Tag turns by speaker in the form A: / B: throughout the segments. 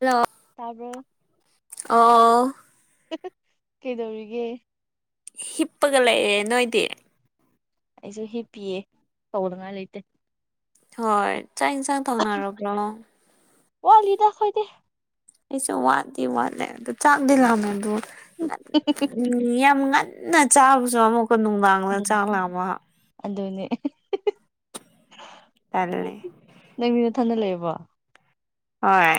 A: hello
B: ꯇꯥꯕ꯭ꯔꯣ
A: ꯑꯣ
B: ꯀꯩꯗꯧꯔꯤꯒ
A: ꯍꯤꯞꯄꯒ ꯂꯩꯑꯦ ꯅꯣꯏꯗꯤ
B: ꯑꯩꯁꯨ ꯍꯤꯞ ꯄꯤꯌꯦ ꯇꯧꯅꯉꯥꯏ ꯂꯩꯇꯦ
A: ꯍꯣꯏ ꯆꯥꯛ ꯌꯦꯟꯁꯥꯡ ꯊꯧꯅꯔꯕ꯭ꯔꯣ
B: ꯋꯥꯠꯂꯤꯗ ꯑꯩꯈꯣꯏꯗꯤ
A: ꯑꯩꯁꯨ ꯋꯥꯠꯇꯗꯤ ꯋꯥꯠꯂꯦ ꯑꯗꯣ ꯆꯥꯗꯤ ꯂꯥꯃꯦꯗꯣ ꯎꯝ ꯌꯥꯝ ꯉꯟꯅ ꯆꯥꯕꯁꯨ ꯑꯃꯨꯛꯀꯣ ꯅꯨꯡꯗꯥꯡ
B: ꯑꯗꯣꯅꯦ
A: ꯇꯜꯂꯦ
B: ꯅꯪ ꯃꯤ ꯅ ꯊꯅ ꯂꯩꯌꯦꯕꯣ
A: ꯍꯣꯏ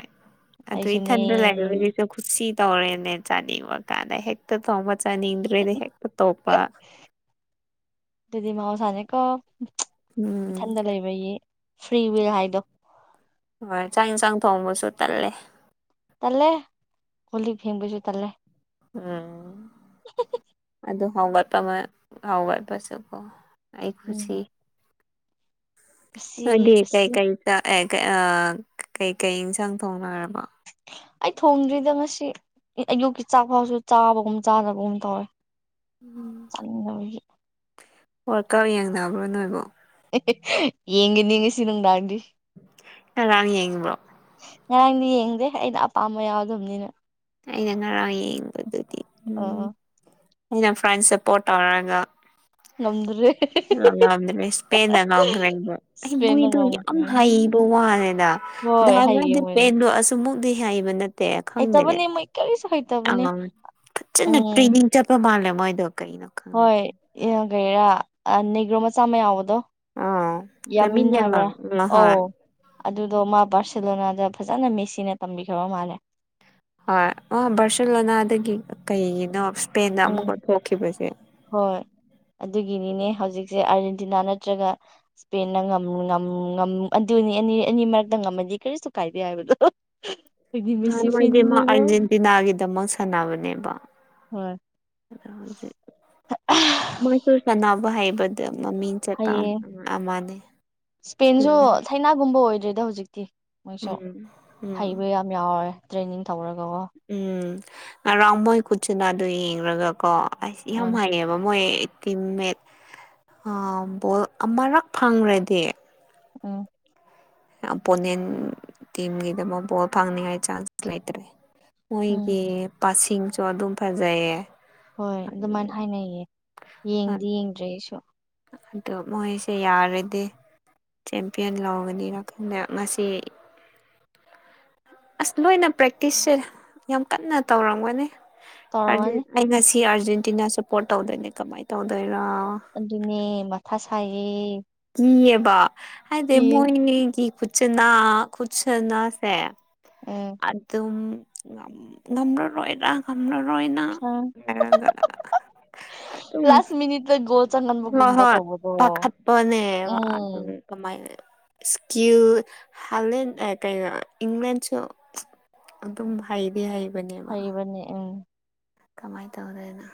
A: ꯑꯗꯨ
B: ꯑꯩꯁꯨꯅꯦ
A: ꯏꯊꯗ ꯂꯥꯏꯁꯨ ꯈꯨꯠꯁꯤ ꯇꯧꯔꯦꯅꯦ ꯆꯥꯅꯤꯡꯕ ꯀꯥꯟꯗ ꯍꯦꯛꯇ ꯊꯣꯡꯕ ꯆꯥꯅꯤꯡꯗ꯭ꯔꯦꯅꯦ ꯍꯦꯛꯇ ꯇꯣꯄ
B: ꯑꯗꯨꯗꯤ ꯃꯍꯧꯁꯥꯅꯦꯀꯣ
A: ꯎꯝ
B: ꯏꯊꯟꯗ ꯂꯩꯕꯒꯤ ꯐ꯭ꯔꯤ ꯋꯤꯜ ꯍꯥꯏꯗꯣ
A: ꯍꯣꯏ ꯆꯥꯛ ꯏꯟꯁꯥꯡ ꯊꯣꯡꯕꯁꯨ ꯇꯠꯂꯦ
B: ꯇꯜꯂꯦ ꯀꯣꯜ ꯂꯤꯛ ꯐꯦꯡꯕꯁꯨ ꯇꯜꯂꯦ
A: ꯎꯨꯝ
B: ꯍꯤ ꯍꯤ ꯍꯤ
A: ꯑꯗꯨ ꯍꯥꯎꯒꯠꯄ ꯑꯃ ꯍꯥꯎꯒꯠꯄꯁꯨꯀꯣ ꯑꯩ
B: ꯎꯝ
A: ꯈꯨꯁꯤ
B: ꯀꯨꯁꯤ
A: ꯑꯗꯨꯗꯤ
B: ꯀꯨꯁꯤ
A: ꯀꯩꯀꯩ ꯀꯩꯀꯩ ꯏꯟꯁꯥꯡ ꯊꯣꯡꯅꯔꯕꯥ
B: ꯑꯩ ꯊꯣꯡꯗ꯭ꯔꯤꯗ ꯉꯁꯤ ꯑꯌꯨꯛꯀꯤ ꯆꯥꯛ ꯐꯥꯎꯁꯨ ꯆꯥꯕꯒꯨꯝ ꯆꯥꯗꯕꯒꯨꯝ ꯇꯧꯋꯦ ꯆꯥꯅꯤꯡꯗꯕꯒꯤ
A: ꯋꯥꯠꯀꯞ ꯌꯦꯡꯅꯕ꯭ꯔꯣ ꯅꯣꯏꯕꯣ
B: ꯌꯦꯡꯒꯅꯤ ꯉꯁꯤ ꯅꯨꯡꯗꯥꯡꯗꯤ
A: ꯉꯥꯔꯥꯡ ꯌꯦꯡꯕ꯭ꯔꯣ
B: ꯉꯔꯥꯡꯗꯤ ꯌꯦꯡꯗꯦ ꯑꯩꯅ ꯑꯄꯥꯝꯕ ꯌꯥꯎꯗꯕꯅꯤꯅ
A: ꯑꯩꯅ ꯉꯔꯥꯡ ꯌꯦꯡꯕꯗꯨꯗꯤ ꯎꯨꯝ
B: ꯑ
A: ꯑꯩꯅ ꯐ꯭ꯔꯦꯟ ꯁꯞꯄꯣꯔꯠ ꯇꯧꯔꯒ
B: ꯉꯝꯗ꯭ꯔꯦ
A: ꯂ ꯉꯝꯗ꯭ꯔꯦ ꯏꯁꯄꯦꯟꯗ ꯉꯝꯈ꯭ꯔꯦꯗ ꯑꯩ
B: ꯏꯁꯄꯦꯟꯅ
A: ꯃꯣꯏꯗꯣ ꯌꯥꯝ
B: ꯉꯝꯈ꯭ꯔꯦ ꯎꯝ
A: ꯍꯩꯕ ꯋꯥꯅꯦꯗ
B: ꯍꯣꯏ
A: ꯅꯍꯥꯟꯗꯤ
B: ꯍꯩꯌꯦ ꯃꯣꯏꯅ
A: ꯏꯁꯄꯦꯟꯗꯣ ꯑꯁꯨꯃꯨꯛꯇꯤ ꯍꯩꯕ ꯅꯠꯇꯦ ꯈꯪꯗꯦ
B: ꯍꯩꯇꯕꯅꯦ ꯃꯣꯏ ꯀꯩꯔꯤꯁꯨ ꯍꯩ
A: ꯑ ꯐꯖꯅ ꯇ꯭ꯔꯦꯅꯤꯡ ꯆꯠꯄ ꯃꯥꯜꯂꯦ ꯃꯣꯏꯗꯣ ꯀꯩꯅꯣ ꯈꯪꯗꯦ
B: ꯍꯣꯏ ꯀꯩꯔꯥ ꯅꯦꯒ꯭ꯔꯣ ꯃꯆꯥ ꯑꯃ ꯌꯥꯎꯕꯗꯣ
A: ꯑꯥ ꯂꯝꯃꯤꯟ
B: ꯌꯥꯃꯤꯟꯅ
A: ꯌꯥꯝ
B: ꯍꯥꯏꯕ꯭ꯔꯥ
A: ꯍꯣꯏ
B: ꯑꯣ ꯑꯗꯨꯗꯣ ꯃꯥ ꯕꯥꯔꯁꯦꯂꯣꯅꯥꯗ ꯐꯖꯅ ꯃꯦꯁꯤꯅ ꯇꯝꯕꯤꯈ꯭ꯔꯕ ꯃꯥꯜꯂꯦ
A: ꯍꯣꯏ ꯕꯥꯔꯁꯦꯂꯣꯅꯥꯗꯒꯤ ꯀꯩꯒꯤꯅꯣ ꯏꯁꯄꯦꯟꯗ
B: ꯎꯝ
A: ꯑꯃꯨꯛꯀ ꯊꯣꯛꯈꯤꯕꯁꯦ
B: ꯍꯣꯏ ꯑꯗꯨꯒꯤꯅꯤꯅꯦ ꯍꯧꯖꯤꯛꯁꯦ ꯑꯥꯔꯖꯦꯟꯇꯤꯅꯥ ꯅꯠꯇ꯭ꯔꯒ ꯏꯁꯄꯦꯟꯅ ꯉꯝ ꯉꯝ ꯉꯝ ꯑꯗꯨꯅꯤ ꯑꯅꯤ ꯑꯅꯤ ꯃꯔꯛꯇ ꯉꯝꯃꯗꯤ ꯀꯔꯤꯁꯨ ꯀꯥꯏꯗꯦ ꯍꯥꯏꯕꯗꯣ ꯍꯨꯝ
A: ꯅꯣꯉꯥꯏꯗꯤ ꯃꯥ ꯑꯥꯔꯖꯦꯟꯇꯤꯅꯥꯒꯤꯗꯃꯛ ꯁꯥꯟꯅꯕꯅꯦꯕ
B: ꯍꯣꯏ
A: ꯑꯗ ꯍꯧꯖꯤꯛ ꯃꯣꯏꯁꯨ ꯁꯥꯟꯅꯕ ꯍꯥꯏꯕꯗ ꯃꯃꯤꯡ ꯁꯦꯇꯥꯝ
B: ꯍꯩꯌꯦ
A: ꯑꯃꯅꯤ
B: ꯏꯁꯄꯦꯟꯁꯨ
A: ꯎꯝ
B: ꯊꯥꯏꯅꯥꯒꯨꯝꯕ ꯑꯣꯏꯗ꯭ꯔꯤꯗꯥ ꯍꯧꯖꯤꯛꯇꯤ ꯃꯣꯏꯁꯨ
A: ꯎꯝ ꯎꯝ
B: ꯍꯩꯕ ꯌꯥ ꯌꯥꯎꯔꯦ ꯇ꯭ꯔꯦꯅꯤꯡ ꯇꯧꯔꯒꯥꯀꯣ
A: ꯎꯝ ꯉꯔꯥꯡ ꯃꯣꯏ ꯀꯨꯠꯁꯤꯅ ꯑꯗꯨ ꯌꯦꯡꯔꯒꯥ ꯀꯣ ꯑꯁ ꯌꯥꯝ
B: ꯑꯥ
A: ꯍꯥꯏꯌꯦꯕ ꯃꯣꯏ ꯇꯤꯝꯃꯦꯠ ꯑꯥ ꯕꯣꯜ ꯑꯃꯔꯛ ꯐꯪꯒ꯭ꯔꯦꯗꯤ
B: ꯎꯝ
A: ꯑꯣꯝꯄꯣꯅꯦꯟ ꯇꯤꯝꯒꯤꯗꯃꯛ ꯕꯣꯜ ꯐꯪꯅꯤꯡꯉꯥꯏ ꯆꯥꯟꯁ ꯂꯩꯇ꯭ꯔꯦ
B: ꯎꯝ
A: ꯃꯣꯏꯒꯤ ꯄꯁꯤꯡꯁꯨ ꯑꯗꯨꯝ ꯐꯖꯩꯌꯦ
B: ꯍꯣꯏ ꯑꯗꯨꯃꯥꯏꯅ ꯍꯥꯏꯅꯩꯌꯦ ꯌꯦꯡꯗꯤ ꯌꯦꯡꯗ꯭ꯔꯦ ꯑꯩꯁꯨ
A: ꯑꯗꯣ ꯃꯣꯏꯁꯦ ꯌꯥꯔꯗꯤ ꯆꯦꯝꯄꯤꯌꯟ ꯂꯧꯒꯅꯤ ꯅꯥꯀꯟꯗꯥ ꯉꯁꯤ ꯑꯥꯁ ꯂꯣꯏꯅ ꯄ꯭ꯔꯦꯛꯇꯤꯁꯁꯦ ꯌꯥꯝ ꯀꯟꯅ ꯇꯧꯔꯝꯒꯅꯤ ꯑꯔꯗꯨ
B: ꯇꯧꯔꯝꯃꯅꯤ
A: ꯑꯩ ꯉꯁꯤ ꯑꯥꯔꯖꯦꯟꯇꯤꯅꯥ ꯁꯞꯄꯣꯔꯠ ꯇꯧꯗꯣꯏꯅꯦ ꯀꯃꯥꯏꯅ ꯇꯧꯗꯣꯏꯔꯥ
B: ꯑꯗꯨꯅꯤ ꯃꯊꯥ ꯁꯥꯏꯌꯦ
A: ꯀꯤꯌꯦꯕ ꯍꯥꯏꯗꯤ
B: ꯀꯤ
A: ꯃꯣꯏꯅꯤꯒꯤ ꯈꯨꯠꯁꯅꯥ ꯈꯨꯠꯁꯅꯥꯁꯦ
B: ꯎꯝ
A: ꯑꯗꯨꯝ ꯉꯝ ꯉꯝꯔꯥꯔꯣꯏꯗꯥ ꯉꯪꯝꯔꯔꯣꯏꯅ ꯂꯩꯏꯔꯒꯥ ꯑꯗꯨꯝ
B: ꯃꯤꯅꯤꯠꯇꯥ ꯒꯣꯜ ꯆꯟꯉꯥ
A: ꯍꯣꯏ ꯍꯣꯏ ꯄꯥꯈꯠꯄꯅꯦꯕ ꯑꯗꯨꯝ
B: ꯎꯝ
A: ꯀꯃꯥꯏꯅ ꯏꯁꯀ꯭ꯌꯨ ꯍꯥꯂꯦꯟ ꯑꯥ ꯀꯩꯅꯣ ꯏꯪꯂꯦꯟꯁꯨ ꯑꯗꯨꯝ ꯍꯩꯗꯤ ꯍꯩꯕꯅꯦꯕ
B: ꯃꯥꯅꯦ ꯎꯝ
A: ꯀꯃꯥꯏꯟ ꯇꯧꯗꯣꯅꯣ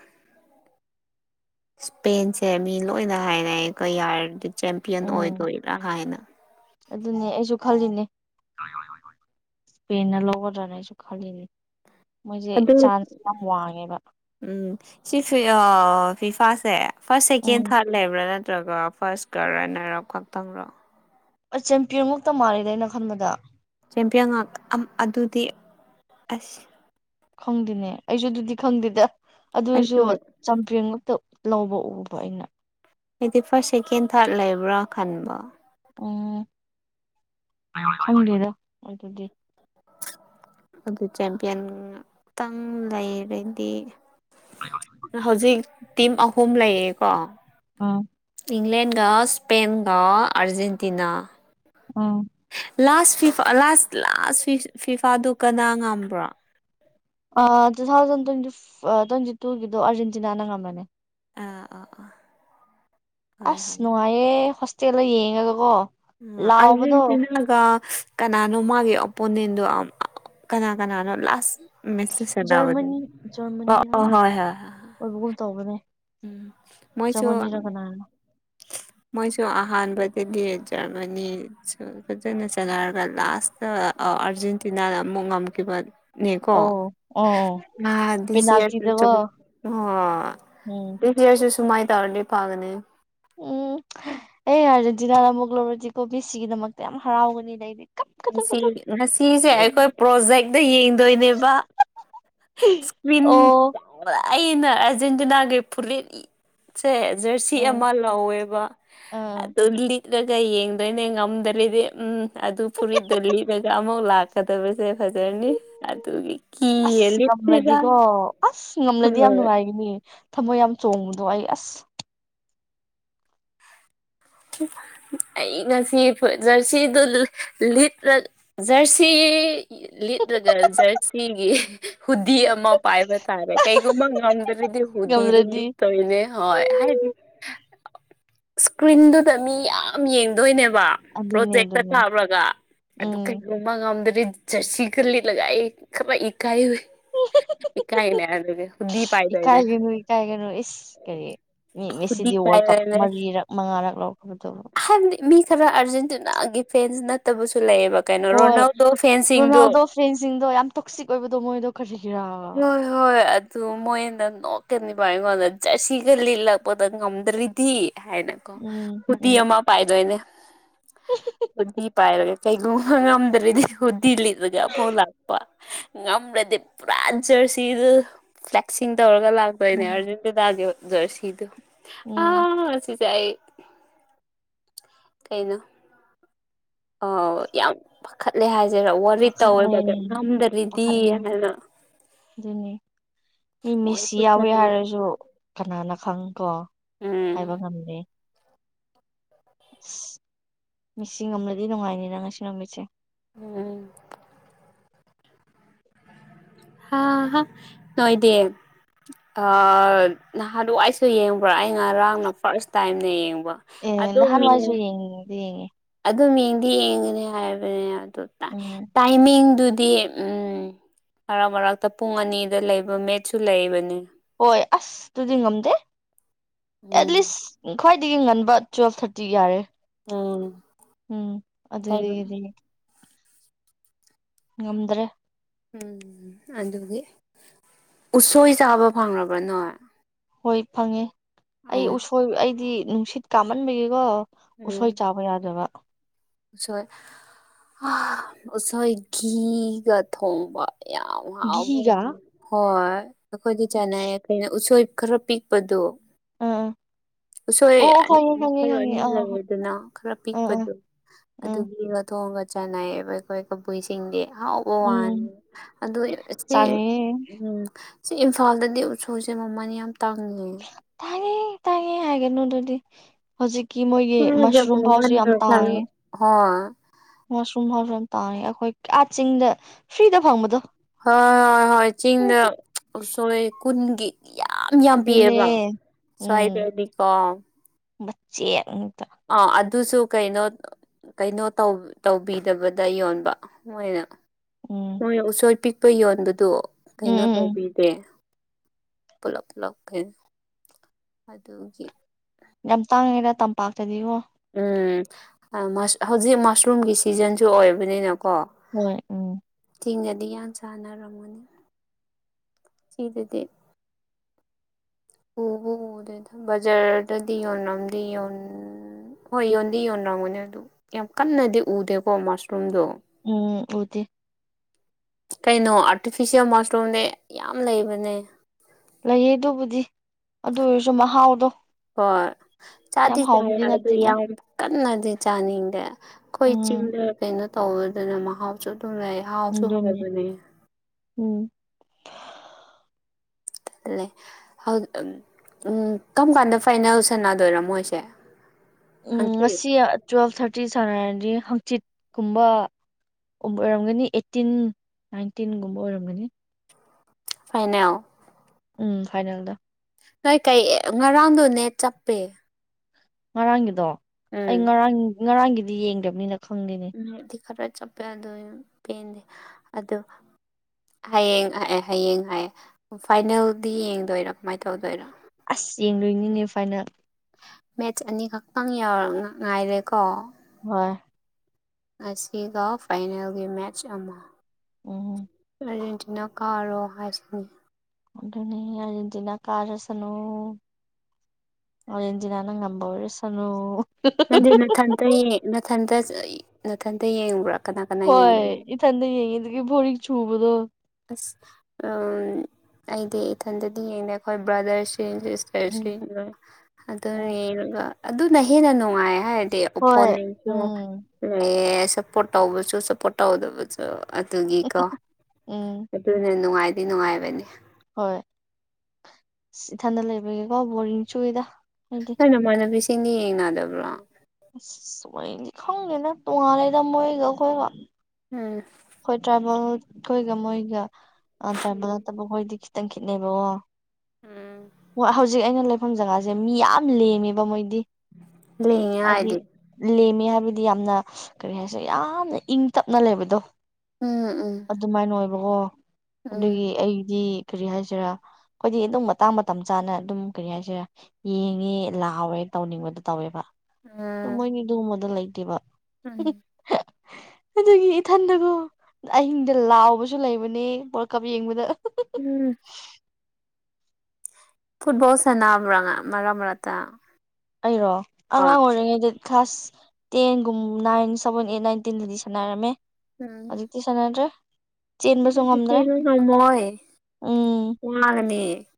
A: ꯏꯁꯄꯦꯟꯁꯦ ꯃꯤ ꯂꯣꯏꯅ ꯍꯥꯏꯅꯩꯌꯦ ꯀꯩ ꯍꯥꯏꯔꯗꯤ ꯆꯦꯝꯄꯤꯌꯟ
B: ꯎꯝ
A: ꯑꯣꯏꯗꯣꯏꯔꯥ ꯍꯥꯏꯅ
B: ꯑꯗꯨꯅꯦ ꯑꯩꯁꯨ ꯈꯜꯂꯤꯅꯦ ꯏꯁꯄꯦꯟꯅ ꯂꯧꯒꯗ꯭ꯔꯥꯅ ꯑꯩꯁꯨ ꯈꯜꯂꯤꯅꯦ ꯃꯣꯏꯁꯦ
A: ꯑꯗꯨ
B: ꯆꯥꯟꯁ ꯌꯥꯝ ꯋꯥꯡꯉꯦꯕ
A: ꯎꯝ ꯁꯤ ꯐꯦ ꯑꯥ ꯐꯤꯐꯥꯁꯦ ꯐꯥꯔꯁ ꯁꯦꯀꯦꯟ
B: ꯎꯝ
A: ꯊꯥꯔꯠ ꯂꯩꯕ꯭ꯔꯥ ꯅꯠꯇ꯭ꯔꯒꯥ ꯐꯥꯔꯁ ꯀꯔꯥꯔꯅꯦ ꯈꯪꯇꯪꯂꯥ
B: ꯑꯥ ꯆꯦꯝꯄꯤꯌꯟꯃꯛꯇꯥ ꯃꯥꯜꯂꯤꯗꯥ ꯑꯩꯅ ꯈꯟꯕꯗꯥ
A: ꯆꯦꯝꯄꯤꯌꯟ ꯉꯥꯛ ꯑꯗꯨꯗꯤ ꯑꯁ
B: ꯈꯪꯗꯦꯅꯦ ꯑꯩꯁꯨ ꯑꯗꯨꯗꯤ ꯈꯪꯗꯦꯗꯥ ꯑꯗꯨꯏꯁꯨ
A: ꯑꯩꯁꯨ
B: ꯆꯝꯄꯤ꯭ꯌꯟ ꯉꯛꯇ ꯂꯧꯕ ꯎꯕ ꯑꯩꯅ
A: ꯍꯥꯏꯗꯤ ꯐꯥꯔꯁ ꯁꯦꯀꯦꯟ ꯊꯥꯔꯠ ꯂꯩꯕ꯭ꯔꯥ ꯈꯟꯕ
B: ꯎꯝ ꯈꯪꯗꯦꯗꯥ ꯑꯗꯨꯗꯤ
A: ꯑꯗꯨ ꯆꯦꯝꯄꯤꯌꯟꯇꯪ ꯂꯩꯔꯗꯤ ꯍꯧꯖꯤꯛ ꯇꯤꯝ ꯑꯍꯨꯝ ꯂꯩꯌꯦꯀꯣ
B: ꯑꯥ
A: ꯏꯪꯂꯦꯟꯒꯥ ꯁ꯭ꯄꯦꯟꯒꯥ ꯑꯥꯔꯖꯦꯟꯇꯤꯅꯥ
B: ꯎꯝ
A: ꯂꯥꯁ ꯐꯤꯐꯥ ꯂꯥꯁ ꯂꯥꯁ ꯐꯤꯐꯥꯗꯨ ꯀꯅꯥ ꯉꯝꯕ꯭ꯔꯣ
B: ꯑꯥ ꯇꯨ ꯊꯥꯎꯖꯟ ꯇ꯭ꯋꯦꯟꯇꯤ ꯇ꯭ꯋꯦꯟꯇꯤ ꯇꯨꯒꯤꯗꯣ ꯑꯥꯔꯖꯦꯟꯇꯤꯅꯥ ꯉꯝꯕꯅꯦ
A: ꯑꯥ ꯑꯥ ꯑꯥ ꯍꯣꯏ
B: ꯑꯁ
A: ꯍꯣꯏ
B: ꯅꯨꯡꯉꯥꯏꯌꯦ ꯍꯣꯁꯇꯦꯜꯗꯥ ꯌꯦꯡꯉꯒꯥꯀꯣ
A: ꯑꯥ ꯑꯔꯖꯦꯟꯇꯤꯅꯥꯒꯥ ꯀꯅꯥꯅꯣ ꯃꯥꯒꯤ ꯑꯣꯄꯣꯅꯦꯟꯗꯣ ꯀꯅꯥ ꯀꯅꯥꯅꯣ ꯂꯥꯁ ꯃꯤꯁ ꯁꯥꯟꯅꯕꯅꯦ
B: ꯖꯔꯃꯅꯤ ꯖꯔꯃꯅꯤꯔ
A: ꯑꯣ ꯍꯣꯏ ꯍꯣꯏ
B: ꯑꯣꯏꯕꯒꯨꯝ ꯇꯧꯕꯅꯦ
A: ꯎꯝ ꯃꯣꯏꯁꯨ
B: ꯖꯔꯃꯅꯤꯔ ꯀꯅꯥꯅꯣ
A: ꯃꯣꯏꯁꯨ ꯑꯍꯥꯟꯕꯗꯥꯗꯤ ꯖꯔꯃꯅꯤꯁꯨ ꯐꯖꯅ ꯆꯠꯅꯔꯒꯥ ꯂꯥꯁ ꯑꯔꯖꯦꯟꯇꯤꯅꯥꯅ ꯑꯃꯨꯛ ꯉꯝꯈꯤꯕ ꯅꯀꯣ
B: ꯑꯧ ꯑꯣ
A: ꯑꯁꯤ ꯆ
B: ꯄꯦꯅꯥꯜꯇꯤꯗꯀꯣ
A: ꯑꯣ
B: ꯎꯝ
A: ꯂꯤꯗꯤꯁꯨ ꯁꯨꯃꯥꯏ ꯇꯧꯔꯦ ꯐꯒꯅꯤ
B: ꯎꯝ ꯑꯩ ꯑꯥꯔꯖꯦꯟꯇꯤꯅꯥꯅ ꯃꯣꯒ꯭ꯂꯣꯣꯇꯤ ꯀꯣꯕꯤ ꯁꯤꯒꯤꯗꯃꯛꯇ ꯌꯥꯝ ꯍꯔꯥꯎꯒꯅꯤ ꯂꯩ ꯑꯩꯗꯤ
A: ꯉꯁꯤ
B: ꯀꯞꯀꯗꯕꯗꯣ
A: ꯉꯁꯤꯁꯦ ꯑꯩꯈꯣꯏ ꯄ꯭ꯔꯣꯖꯦꯛꯇ ꯌꯦꯡꯗꯣꯏꯅꯦꯕ ꯏꯁꯀ꯭ꯔꯤꯟ
B: ꯑꯣ
A: ꯑꯩꯅ ꯑꯔꯖꯦꯟꯇꯤꯅꯥꯒꯤ ꯄꯨꯂꯅꯤ ꯁꯦ ꯖꯔꯁꯤ ꯑꯃ
B: ꯎꯝ
A: ꯂꯧꯥꯎꯋꯦꯕ ꯑ
B: ꯎꯝ
A: ꯂꯤ ꯆꯠꯂꯒ ꯌꯦꯡꯗꯣꯏꯅꯦ ꯉꯝꯗꯔꯤꯗꯤ ꯎꯝ ꯑꯗꯨ ꯐꯨꯔꯤꯠꯇ ꯂꯤꯔꯒ ꯑꯃꯨꯛ ꯂꯥꯛꯀꯗꯕꯁꯦ ꯐꯖꯔꯅꯤ ꯑꯗꯨꯒꯤ ꯀꯤ
B: ꯑꯁ
A: ꯂꯁꯤꯔ
B: ꯉꯝꯂꯗꯤꯀꯣ
A: [unintelligible]
B: ꯑꯁ ꯉꯝꯂꯗꯤ ꯌꯥꯝ ꯅꯨꯡꯉꯥꯏꯒꯅꯤ ꯊꯃꯣꯏ ꯌꯥꯝ ꯆꯣꯡꯕꯗꯣ ꯑꯩ ꯑꯁ
A: ꯑꯩ ꯉꯁꯤ ꯖꯔꯁꯤꯗꯨ ꯂꯤꯠꯂ ꯖꯔꯁꯤ ꯂꯤꯠꯂꯒ ꯖꯔꯁꯤꯒꯤ ꯍꯨꯗꯤ ꯑꯃ ꯄꯥꯏꯕ ꯇꯥꯔꯦ ꯀꯩꯒꯨꯝꯕ ꯉꯝꯗ꯭ꯔꯗꯤ ꯍꯨꯗꯨ
B: ꯉꯝꯗ꯭ꯔꯗꯤ
A: ꯇꯣꯏꯅꯦ ꯍ ꯍꯥꯏꯗꯤ ꯁꯀ꯭ꯔꯤꯟ ꯃꯤ ꯌꯥꯝ ꯌꯦꯡꯗꯣꯏꯅꯦꯕ
B: ꯑꯗꯨꯅꯦ
A: ꯄ꯭ꯔꯣꯖꯦꯛꯇ
B: ꯑꯗꯨꯅꯦ
A: ꯀꯥꯎꯔꯒ ꯑꯗꯨ
B: ꯎꯝ
A: ꯃ ꯉꯝꯗ꯭ꯔꯦ ꯖꯔꯁꯤ ꯈꯔ ꯂꯤꯂꯒꯥꯏ ꯈꯔ ꯏꯀꯥꯏꯨꯦ ꯄꯥꯏꯗꯣꯏꯅꯦ
B: ꯏꯀꯥꯏꯒꯅꯨ ꯏꯀꯥꯏꯒꯅꯨ ꯏꯁ ꯀꯔꯤ ꯃꯤ
A: ꯍꯨꯗꯤ
B: ꯃꯦꯁꯤꯗꯤ ꯋꯥꯔꯜ ꯀꯞ
A: ꯄꯥꯏꯗꯣꯏꯅꯦ
B: ꯃꯔꯤꯔꯛ ꯃꯉꯥꯔꯛ ꯂꯧꯈꯕꯗꯧꯕ
A: ꯍꯥꯏꯕꯗꯤ ꯃꯤ ꯈꯔ ꯑꯥꯔꯖꯦꯟꯇꯤꯅꯥꯒꯤ ꯐꯦꯟꯁ ꯅꯠꯇꯕꯁꯨ ꯂꯩꯑꯕ ꯀꯩꯅꯣ ꯔꯣꯅꯥꯜꯗꯣ ꯐꯦꯟꯁꯤꯡꯗꯣ
B: ꯇ꯭ꯔꯦꯟꯁꯤꯡꯗꯣ ꯌꯥꯝ ꯇꯣꯛꯁꯤꯛ ꯑꯣꯏꯕꯗꯣ ꯃꯣꯏꯗꯣ ꯀꯔꯤꯒꯤꯔꯥ
A: ꯍꯣꯏ ꯍꯣꯏ ꯑꯗꯨ ꯃꯣꯏꯅ ꯅꯣꯛꯀꯅꯤꯕ ꯑꯩꯉꯣꯟꯗ ꯖꯁꯤꯒ ꯂꯤꯜꯂꯛꯄꯗ ꯉꯝꯗ꯭ꯔꯤꯗꯤ ꯍꯥꯏꯅꯀꯣ
B: ꯎꯝ
A: ꯈꯨꯗꯤ
B: ꯎꯝ
A: ꯑꯃ ꯄꯥꯏꯗꯣꯏꯅꯦ ꯈꯨꯗꯤ ꯄꯥꯏꯔꯒ ꯀꯩꯒꯨꯝꯕ ꯉꯝꯗ꯭ꯔꯗꯤ ꯍꯨꯗꯤꯤ ꯂꯤꯠꯂꯒ ꯑꯃꯨꯛ ꯂꯥꯛꯄ ꯉꯝꯂ꯭ꯔꯗꯤ ꯄꯨꯔꯥ ꯖꯔꯁꯤꯗꯨ ꯐ꯭ꯂꯦꯛꯁꯤꯡ ꯇꯧꯔꯒ ꯂꯥꯛꯇꯣꯏꯅꯦ
B: ꯎꯝ
A: ꯑꯥꯔꯖꯦꯟꯇꯤꯅꯥꯒꯤ ꯖꯔꯁꯤꯗꯨ ꯑ
B: ꯎꯝ
A: ꯁꯤꯖꯌꯦ ꯀꯩꯅꯣ ꯑ ꯌꯥꯝ ꯄꯥꯈꯠꯂꯦ ꯍꯥꯏꯁꯤꯔꯥ ꯋꯥꯔꯤ ꯇꯧꯋꯦꯕꯗ
B: ꯄꯥꯈꯠꯂꯦ
A: ꯉꯝꯗꯔꯤꯗꯤ
B: ꯄꯥꯈꯠꯂꯦ
A: ꯍꯥꯏꯅ
B: ꯑꯗꯨꯅꯤ ꯃꯤ
A: ꯃꯣꯏ
B: ꯃꯤꯁꯁꯤ ꯌꯥꯎꯋꯦ
A: ꯈꯨꯠꯁꯅ
B: ꯍꯥꯏꯔꯁꯨ ꯀꯅꯥꯅ ꯈꯪꯉ ꯀꯣ
A: ꯎꯝ
B: ꯍꯥꯏꯕ ꯉꯝꯃꯦ ꯑꯁ ꯃꯤꯁꯤꯡ ꯉꯝꯂꯗꯤ ꯅꯨꯡꯉꯥꯏꯅꯤꯅ ꯉꯁꯤ ꯅꯨꯃꯤꯠꯁꯦ
A: ꯎꯝ ꯍꯥ ꯍꯥ ꯅꯣꯏꯗ ꯅꯍꯥꯟ ꯑꯗꯨꯋꯥꯏꯁꯨ ꯌꯦꯡꯕ꯭ꯔꯥ ꯑꯩ ꯉꯔꯥꯡꯅ ꯐꯥꯔꯁ ꯇꯥꯏꯝꯅ ꯌꯦꯡꯕ ꯑꯗ ꯃꯤ
B: ꯎꯗꯤꯉ
A: ꯑꯗꯨꯝ ꯌꯦꯡꯗꯤ ꯌꯦꯡꯒꯅꯤ ꯍꯥꯏꯕꯅꯦ ꯑꯗꯨ
B: ꯎꯝ
A: ꯑꯩꯃꯤꯡꯗꯨꯗꯤ ꯃꯔꯔꯛ ꯃꯔꯛꯇ ꯄꯨꯡ ꯑꯅꯤꯗ ꯂꯩꯕ ꯃꯦꯠꯁꯨ ꯂꯩꯕꯅꯦ
B: ꯍꯣꯏ ꯑꯁ ꯑꯗꯨꯗꯤ ꯉꯝꯗꯦ
A: ꯎꯝ
B: ꯑꯦꯠꯂꯤꯁ ꯈ꯭ꯋꯥꯏꯗꯒꯤ ꯉꯟꯕ ꯇꯨꯋꯦꯜꯐ ꯊꯥꯔꯇꯤ ꯌꯥꯔꯦ
A: ꯎꯝ
B: ꯎꯝ
A: ꯀꯩꯅꯣ
B: ꯑꯗꯨꯗꯒꯤꯗꯤ ꯉꯝꯗ꯭ꯔꯦ
A: ꯎꯝ ꯑꯗꯨꯒꯤ ꯎꯁꯣꯏ ꯆꯥꯕ ꯐꯪꯕ꯭ꯔ ꯅꯣ
B: ꯍꯣꯏ ꯐꯪꯉꯦ ꯑꯩ
A: ꯎꯝ
B: ꯎꯁꯣꯏ ꯑꯩꯗꯤ ꯅꯨꯡꯁꯤꯠ ꯀꯥꯝꯃꯟꯕꯒꯤꯀꯣ
A: ꯎꯝ
B: ꯎꯁꯣꯏ ꯆꯥꯕ ꯌꯥꯗꯕ
A: ꯎꯁꯣꯏ ꯎꯁꯣꯏ ꯘꯤꯒ ꯊꯣꯡꯕ ꯌꯥꯝ ꯍꯥꯎꯕ
B: ꯘꯤꯒ
A: ꯍꯣꯏ ꯑꯩꯈꯣꯏꯗꯤ ꯆꯥꯅꯩꯌꯦ ꯀꯩꯅꯣ ꯎꯁꯣꯏ ꯈꯔ ꯄꯤꯛ ꯎꯠꯄꯗꯣ
B: ꯑꯥ
A: ꯎꯁꯣꯏ
B: ꯑꯣ ꯑꯣ ꯈꯪꯉꯦ ꯈꯪꯉꯦ
A: ꯃꯈꯜ
B: ꯈꯪꯉꯦ
A: ꯑꯅꯤ
B: ꯑ
A: ꯂꯩꯗꯅ ꯈꯔ
B: ꯑꯥ ꯑꯥ
A: ꯄꯤꯛꯄꯗꯣ
B: ꯎꯝ
A: ꯑꯗꯨꯒꯤ ꯑ ꯊꯣꯡꯒ ꯆꯥꯟꯅꯩꯌꯦꯕ ꯑꯩꯈꯣꯏ ꯀꯕꯨꯏꯁꯤꯡꯗꯤ ꯍꯥꯎ ꯋꯥ ꯋꯥꯅꯤ
B: ꯎꯝ
A: ꯑꯗꯣ ꯁꯤ
B: ꯆꯥꯅꯤꯡꯉꯦ
A: ꯎꯝ ꯁꯤ ꯏꯝꯐꯥꯜꯗꯗꯤ ꯎꯠꯁꯨꯏꯁꯦ ꯃꯃꯜ ꯌꯥꯝ ꯇꯥꯡꯉꯦ
B: ꯇꯥꯡꯉꯦ ꯇꯥꯡꯉꯤ ꯍꯥꯏꯒꯅꯨ ꯑꯗꯨꯗꯤ ꯍꯧꯖꯤꯛ ꯒꯤ ꯃꯣꯏꯒꯤ ꯃꯁꯔꯨꯝ ꯐꯥꯎꯁꯨ ꯌꯥꯝ ꯇꯥꯡꯉꯦ
A: ꯍꯣ
B: ꯃꯁꯔꯨꯝ ꯇꯥꯡꯉꯦ ꯑꯩꯈꯣꯏ ꯑꯥꯗ ꯆꯤꯡꯗ ꯐ꯭ꯔꯤꯗ ꯐꯪꯕꯗꯣ
A: ꯍꯣꯏ ꯍꯣꯏ ꯍꯣꯏ ꯆꯤꯡꯗ ꯎꯁꯣꯏ ꯀꯨꯟꯒꯤ ꯌꯥꯝ ꯌꯥꯝ
B: ꯑꯗꯨꯅꯦ
A: ꯄꯤꯌꯦꯕ ꯁꯋꯥꯏꯗꯗꯤꯀꯣ
B: ꯆꯦꯅꯤꯗ
A: ꯑ ꯑꯗꯨꯁꯨ ꯀꯩꯅꯩꯅꯣ ꯀꯩꯅꯣ ꯇꯧꯕꯤꯗꯕꯗ ꯌꯣꯟꯕ ꯃꯣꯏꯅ
B: ꯎꯝ
A: ꯍꯣꯏ ꯎꯁꯣꯏ ꯄꯤꯛꯄ ꯌꯣꯟꯕꯗꯨ
B: ꯎꯝ
A: ꯀꯩꯅꯣ
B: ꯎꯝ ꯎꯝ
A: ꯇꯧꯕꯤ ꯄꯨꯂꯞ ꯄꯨꯂꯞ ꯑꯗꯨꯒꯤ
B: ꯌꯥꯝ ꯇꯥꯡꯉꯦꯔ ꯇꯝꯄꯥꯛꯇꯗꯤꯀꯣ
A: ꯎꯝ ꯍꯧꯖꯤꯛ ꯃꯁꯔꯨꯝꯒꯤ ꯁꯤꯖꯟꯁꯨ ꯑꯣꯏꯕꯅꯤꯅꯀꯣ
B: ꯍꯣꯏ ꯎꯝ
A: ꯆꯤꯡꯗꯗꯤ ꯌꯥꯝ ꯆꯥꯟꯅꯔꯝꯒꯅꯤ ꯁꯤꯗꯗꯤ ꯎꯕ ꯎꯗꯦ ꯕꯖꯥꯔꯗꯗꯤ ꯌꯣꯟꯂꯝꯗꯤ ꯌꯣꯟ ꯎꯝ ꯍꯣꯏ ꯌꯣꯟꯗꯤ ꯌꯣꯟꯂꯝꯒꯅꯦ ꯑꯗꯨ ꯌꯥꯝ ꯀꯟꯅꯗꯤ ꯎꯗꯦꯀꯣ ꯃꯁꯔꯨꯝꯗꯣ
B: ꯎꯝ ꯎꯗꯦ
A: ꯀꯩꯅꯣ ꯑꯥꯔꯇꯤꯐꯤꯁꯦꯜ ꯃꯁꯔꯨꯝꯅꯦ ꯌꯥꯝ ꯂꯩꯕꯅꯦ
B: ꯂꯩꯌꯦ ꯑꯗꯨꯕꯨꯗꯤ ꯑꯗꯨ ꯑꯣꯏꯔꯁꯨ ꯃꯍꯥꯎꯗꯣ
A: ꯍꯣꯏ
B: ꯌꯥꯝ
A: ꯆꯥꯗꯤ ꯆꯥꯏ
B: ꯍꯥꯎꯕꯗꯤ
A: ꯑꯗꯨ
B: ꯅꯠꯇꯦꯗ
A: ꯌꯥꯝ ꯀꯟꯅꯗꯤ ꯆꯥꯅꯤꯡꯗꯦ ꯑꯩꯈꯣꯏ
B: ꯎꯝ
A: ꯆꯤꯡꯗ ꯀꯩꯅꯣ ꯇꯧꯕꯗꯨꯅ ꯃꯍꯥꯎꯁꯨ ꯑꯗꯨꯝ ꯂꯩ ꯍꯥꯎꯁꯨ
B: ꯑꯗꯨꯅꯦ
A: ꯍꯥꯎꯕꯅꯦ
B: ꯎꯝ
A: ꯂꯩ ꯎꯝ ꯀꯔꯝ ꯀꯥꯟꯗ ꯐꯥꯏꯅꯦꯜ ꯁꯥꯟꯅꯗꯣꯏꯔꯥ ꯃꯣꯏꯁꯦ
B: ꯎꯝ
A: ꯍꯪꯆꯤꯠ
B: ꯉꯁꯤ ꯇꯨꯋꯦꯜꯐ ꯊꯥꯔꯇꯤ ꯁꯥꯟꯅꯔꯗꯤ ꯍꯥꯡꯆꯤꯠ ꯀꯨꯝꯕ ꯑꯣꯏꯔꯝꯒꯅꯤ ꯑꯩꯠꯇꯤꯟ ꯅꯥꯏꯟꯇꯤꯟꯒꯨꯝꯕ ꯑꯣꯏꯔꯝꯒꯅꯤ
A: ꯐꯥꯏꯅꯦꯜ
B: ꯎꯝ ꯐꯥꯏꯅꯦꯜꯗꯣ
A: ꯅꯣꯏ ꯀꯩ ꯉꯔꯥꯡꯗꯣ ꯅꯦꯠ ꯆꯞꯄꯦ
B: ꯉꯔꯥꯡꯒꯤꯗꯣ ꯑꯩ
A: ꯎꯝ
B: ꯉꯔꯥꯡ ꯉꯔꯥꯡꯒꯤꯗꯤ ꯌꯦꯡꯗꯕꯅꯤꯅ ꯈꯪꯗꯦꯅꯦ
A: ꯅꯦꯠꯇꯤ ꯈꯔ ꯆꯞꯄꯦꯗꯣ ꯄꯦꯟꯗꯦ ꯑꯗꯨ ꯍꯌꯦꯡ ꯑꯦ ꯍꯌꯦꯡ ꯍꯥꯏꯌꯦ ꯑꯣ ꯐꯥꯏꯅꯦꯜꯗꯤ ꯌꯦꯡꯗꯣꯏꯔꯥ ꯀꯃꯥꯏꯅ ꯇꯧꯗꯣꯏꯔꯥ
B: ꯑꯁ ꯌꯦꯡꯗꯣꯏꯅꯤꯅꯦ ꯐꯥꯏꯅꯦꯜ
A: ꯃꯦꯠꯆ ꯑꯅꯤꯈꯛꯇꯪ ꯌꯥꯎꯔ ꯉꯥꯏꯔꯦꯀꯣ
B: ꯍꯣꯏ
A: ꯉꯁꯤꯒ ꯐꯥꯏꯅꯦꯜꯒꯤ ꯃꯦꯠꯆ ꯑꯃ
B: ꯑꯣ
A: ꯑꯔꯖꯦꯟꯇꯤꯅꯥ ꯀꯥꯔꯣ ꯍꯥꯏꯁꯤꯅꯤ
B: ꯑꯗꯨꯅꯦ ꯑꯥꯔꯖꯦꯟꯇꯤꯅꯥ ꯀꯥꯔꯁꯅꯨ ꯑꯣ ꯑꯥꯔꯖꯦꯟꯇꯤꯅꯥꯅ ꯉꯝꯕ ꯑꯣꯏꯔꯁꯅꯨ
A: ꯅꯪꯗꯤ ꯅꯊꯟꯇ ꯅꯊꯟꯇ ꯅꯥꯊꯟꯇ ꯌꯦꯡꯕ꯭ꯔꯥ ꯀꯅꯥ ꯀꯅꯥ
B: ꯍꯣꯏ
A: ꯌꯦꯡꯉꯤ
B: ꯏꯊꯟꯗ ꯌꯦꯡꯉꯤꯗꯨꯒꯤ ꯚꯣꯔꯤꯡ ꯆꯨꯕꯗꯣ
A: ꯑꯁ ꯑꯩꯗꯤ ꯏꯊꯟꯗꯗꯤ ꯌꯦꯡꯗꯦ ꯑꯩꯈꯣꯏ
B: ꯎꯝ
A: ꯕ꯭ꯔꯥꯗꯔꯁꯤꯡ
B: ꯎꯝ
A: ꯑꯗꯨꯅꯦ ꯑꯗꯨꯅ ꯍꯦꯟꯅ ꯅꯨꯡꯉꯥꯏ ꯍꯥꯏꯅꯤ ꯑꯦ
B: ꯍꯣꯏ
A: ꯑꯣꯄꯣꯅꯦꯜꯁꯨ
B: ꯎꯝ
A: ꯑꯦꯑ ꯁꯞꯄꯣꯔꯠ ꯇꯧꯕꯁꯨ ꯁꯞꯄꯣꯔꯠ ꯇꯧꯗꯕꯁꯨ ꯑꯗꯨꯒꯤ ꯀꯣ
B: ꯎꯝ
A: ꯑꯗꯨꯅꯦ ꯅꯨꯡꯉꯥꯏꯗꯤ ꯅꯨꯡꯉꯥꯏꯕꯅꯦ
B: ꯍꯣꯏ ꯏꯊꯟꯗ ꯂꯩꯕꯒꯦꯀꯣ ꯕꯣꯔꯤꯡ ꯁꯨꯏꯦꯗ
A: ꯅ ꯅꯃꯥꯟꯅꯕꯤꯁꯤꯡꯅꯤ ꯌꯦꯡꯅꯗꯕ꯭ꯔꯣ
B: ꯑꯁꯗꯤ ꯈꯪꯗꯦꯅ ꯇꯣꯉꯥꯂꯗ ꯃꯣꯏꯒ ꯑꯩꯈꯣꯏꯒ
A: ꯎꯝ
B: ꯍꯣꯏ ꯇ꯭ꯔꯥꯏꯕꯦꯜ ꯈꯣꯏꯒ ꯃꯣꯏꯒ ꯇ꯭ꯔꯥꯏꯕꯦꯜ ꯅꯠꯇꯕꯈꯣꯏꯗꯤ ꯈꯤꯇꯪ ꯈꯤꯠꯅꯩꯕꯀꯣ
A: ꯎꯝ
B: ꯍꯣꯏ ꯍꯧꯖꯤꯛ ꯑꯩꯅ ꯂꯩꯐꯝ ꯖꯒꯥꯁꯦ ꯃꯤ ꯌꯥꯝ ꯂꯦꯝꯃꯦꯕ ꯃꯣꯏꯗꯤ ꯍꯥꯏꯗꯤ ꯂꯦꯝꯃꯦ ꯍꯥꯏꯕꯗꯤ ꯌꯥꯝꯅ ꯀꯔꯤ ꯍꯥꯏꯁꯦ ꯌꯥꯝꯅ ꯏꯪ ꯇꯞꯅ ꯂꯩꯕꯗꯣ
A: ꯎꯝ ꯎꯝ
B: ꯑꯗꯨꯃꯥꯏꯅ ꯑꯣꯏꯕꯀꯣ
A: ꯎꯝ
B: ꯑꯗꯨꯒꯤ ꯑꯩꯗꯤ ꯀꯔꯤ ꯍꯥꯏꯁꯤꯔꯥ ꯑꯩꯈꯣꯏꯗꯤ ꯑꯗꯨꯝ ꯃꯇꯥꯡ ꯃꯇꯝ ꯆꯥꯅ ꯑꯗꯨꯝ ꯀꯔꯤ ꯍꯥꯏꯁꯤꯔꯦ ꯌꯦꯡꯉꯦ ꯂꯍꯥꯎꯋꯦ ꯇꯧꯅꯤꯡꯕꯗꯣ ꯇꯧꯋꯦꯕ
A: ꯎꯝ
B: ꯃꯣꯏꯗꯤ ꯑꯗꯨꯒꯨꯝꯕꯗ ꯂꯩꯇꯦꯕ
A: ꯎꯝ
B: ꯑꯗꯨꯒꯤ ꯏꯊꯟꯗꯀꯣ ꯑꯍꯤꯡꯗ ꯂꯥꯎꯕꯁꯨ ꯂꯩꯕꯅꯦ ꯋꯥꯔꯜ ꯀꯞ ꯌꯦꯡꯕꯗ
A: ꯎꯝ ꯐꯨꯠꯕꯣꯜꯁꯦꯅꯝ꯭ꯔꯥꯉ ꯃꯔꯔꯥ ꯃꯔꯔꯥꯠꯇ
B: ꯑꯩꯔꯣ ꯑꯉꯥꯡ ꯑꯣꯏꯔꯤꯉꯩꯗ ꯀ꯭ꯂꯥꯁ ꯇꯦꯟꯒꯨꯝ ꯅꯥꯏꯟ ꯁꯕꯦꯟ ꯑꯦꯠ ꯅꯥꯏꯟ ꯇꯦꯟꯗꯗꯤ ꯁꯅꯅꯥ ꯍꯥꯏꯔꯃꯦ
A: ꯎꯝ
B: ꯤꯁꯅꯗ꯭ꯔꯦ
A: ꯗ ꯅꯣꯏ
B: ꯎꯝ
A: ꯀꯉꯒꯅꯤ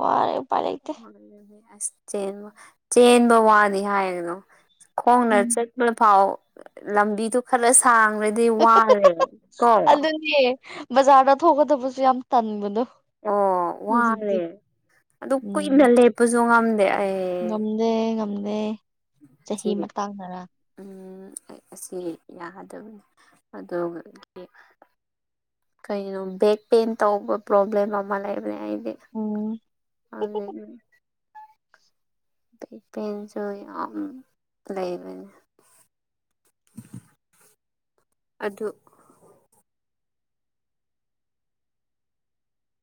B: ꯋꯥꯔꯦ ꯄꯂ
A: ꯍ ꯑꯁ ꯆꯦꯟꯕ ꯆꯦꯟꯕ ꯋꯥꯅꯤ ꯍꯥꯏꯒꯅꯣ ꯈꯣꯡꯅ
B: ꯎꯝ
A: ꯆꯠꯂ ꯐꯥꯎ ꯂꯝꯕꯤꯗꯨꯣ ꯈꯔ ꯁꯥꯡ
B: ꯑꯗꯨꯅꯦ ꯕꯖꯥꯔꯗ ꯊꯣꯛꯀꯗꯕꯁꯨ ꯌꯥꯝ ꯇꯟꯕꯗꯣ
A: ꯑꯣ
B: ꯍꯧꯖꯤꯛꯇꯤ
A: ꯋꯥꯔꯦ ꯑꯗꯨ
B: ꯎꯝ
A: ꯀꯨꯏꯅ ꯂꯦꯞꯄꯁꯨ ꯉꯝꯗꯦ ꯑꯩ
B: ꯉꯝꯗꯦ ꯉꯝꯗꯦ ꯆꯍꯤ ꯃꯇꯥꯡꯗꯔ
A: ꯎ ꯑꯩ ꯑꯁꯤ ꯌꯥꯒꯗꯕꯅꯤ ꯑꯗꯨ ꯀꯩꯅꯣ ꯕꯦꯛ ꯄꯦꯟ ꯇꯧꯕ ꯄ꯭ꯔꯣꯕ꯭ꯂꯦꯝ ꯑꯃ ꯂꯩꯕꯅꯦ ꯑꯩ
B: ꯎꯝ
A: ꯑꯗꯨ ꯄ ꯄꯁꯨ ꯑ ꯂꯩ ꯂꯩꯕꯅꯦ ꯑꯗꯨꯗ